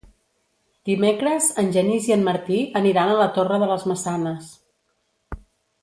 Dimecres en Genís i en Martí aniran a la Torre de les Maçanes.